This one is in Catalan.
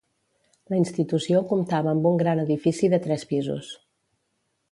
La institució comptava amb un gran edifici de tres pisos.